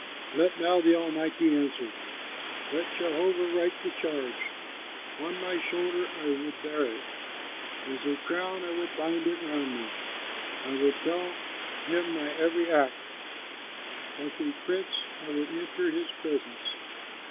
Let now the Almighty answer, Let Jehovah write the charge! On my shoulder I would bear it, As a crown I would bind it round me; I would tell him my every act; Like a prince I would enter his presence!"